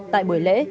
tại buổi lễ